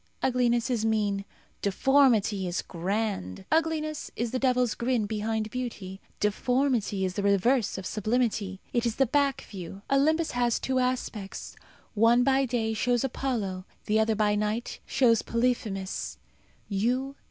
Ugliness is mean, deformity is grand. Ugliness is the devil's grin behind beauty; deformity is the reverse of sublimity. It is the back view. Olympus has two aspects. One, by day, shows Apollo; the other, by night, shows Polyphemus.